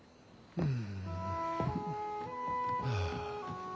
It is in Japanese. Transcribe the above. うん。